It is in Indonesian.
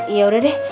ya udah deh